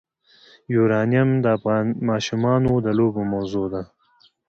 یورانیم د افغان ماشومانو د لوبو موضوع ده.